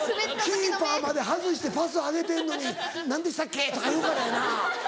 キーパーまで外してパスあげてんのに「何でしたっけ」とか言うからやな。